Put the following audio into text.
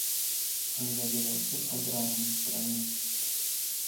Angažoval se v agrární straně.